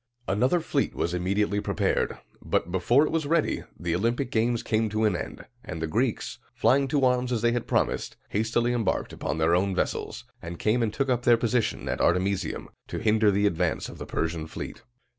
Another fleet was immediately prepared; but, before it was ready, the Olympic games came to an end, and the Greeks, flying to arms as they had promised, hastily embarked upon their own vessels, and came and took up their position at Ar te mis´ium, to hinder the advance of the Persian fleet.